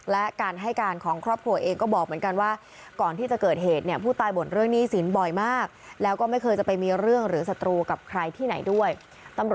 และการให้การของครอบครัวเองก็บอกเหมือนกันว่า